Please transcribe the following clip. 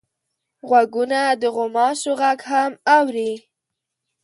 غوږونه د غوماشو غږ هم اوري